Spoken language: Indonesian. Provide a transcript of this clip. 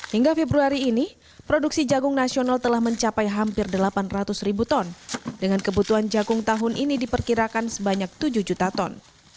hingga februari ini produksi jagung nasional telah mencapai hampir delapan ratus ribu ton dengan kebutuhan jagung tahun ini diperkirakan sebanyak tujuh juta ton